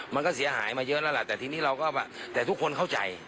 มันก็เสียหายมาเยอะแล้วล่ะแต่ทุกคนเข้าใจ